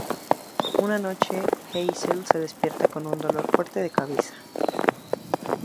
Una noche Hazel se despierta con un dolor fuerte en la cabeza.